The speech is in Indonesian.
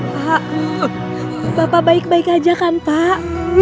pak bapak baik baik aja kan pak